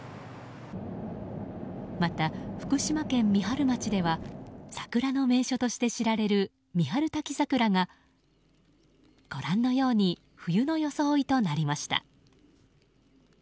また、福島県三春町では桜の名所として知られる三春滝桜がご覧のように冬の装いとなりました。